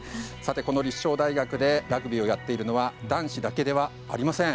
この立正大学でラグビーをやっているのは男子だけではありません。